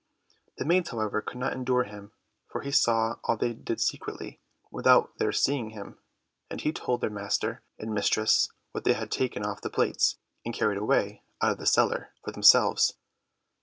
The maids, however, could not endure him, for he saw all they did secretly, without their seeing him, and he told their master and mistress what they had taken off the plates, and carried away out of the cellar, for themselves.